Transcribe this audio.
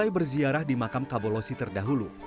usai berziarah di makam kabolosi terdahulu